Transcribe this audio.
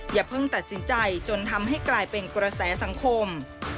อย่าเพิ่งตัดสินใจจนทำให้กลายเป็นกระแสสังคม